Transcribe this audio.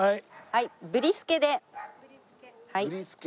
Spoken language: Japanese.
はい。